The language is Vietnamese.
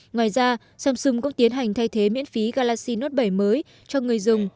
ngoài ra samsung cũng tiến hành thay thế miễn phí galaxy note bảy mới cho người dùng